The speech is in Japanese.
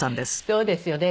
そうですよね。